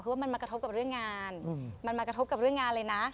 ว่ามันมากระทบกับเรื่องงานมันมากระทบกับเรื่องงานเลยนะ